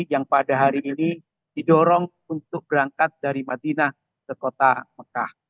yang pada hari ini didorong untuk berangkat dari madinah ke kota mekah